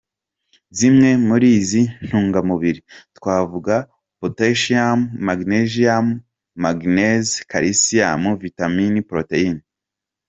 Zimwe muri izi ntungamubiri twavuga potasiyumu, manyeziyumu, manganeze, karisiyumu, vitamine, poroteyine,….